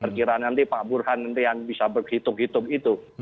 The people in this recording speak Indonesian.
perkiraan nanti pak burhan nanti yang bisa berhitung hitung itu